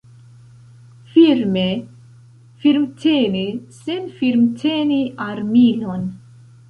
Firme firmteni sen firmteni armilon.